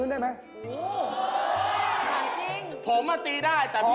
นั่งรถต่อมานี่ไงอยากจะ